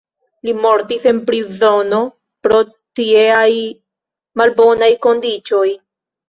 Li mortis en prizono pro tieaj malbonaj kondiĉoj.